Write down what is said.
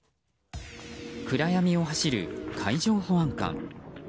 暗闇を走る海上保安官。